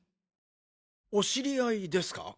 お知り合いですか？